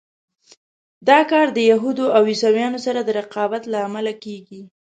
دا کار د یهودو او عیسویانو سره د رقابت له امله کېږي.